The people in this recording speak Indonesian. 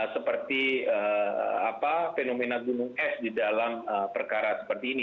seperti fenomena gunung es di dalam perkara seperti ini